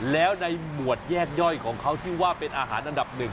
แล้วในหมวดแยกย่อยของเขาที่ว่าเป็นอาหารอันดับหนึ่ง